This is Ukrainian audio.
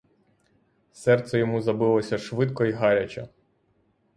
Серце йому забилося швидко й гаряче.